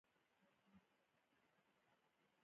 دا وطن به جوړیږي.